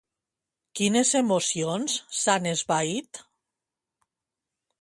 Quines emocions s'han esvaït?